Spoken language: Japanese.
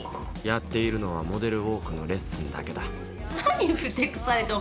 やっているのはモデルウォークのレッスンだけだ何ふてくされて。